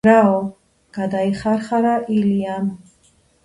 - რაო? - გადიხარხარა ილიამ.